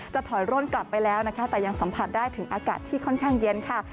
ถอยร่นกลับไปแล้วนะคะแต่ยังสัมผัสได้ถึงอากาศที่ค่อนข้างเย็นค่ะ